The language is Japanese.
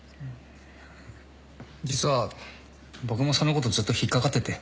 実は僕もそのことずっと引っ掛かってて。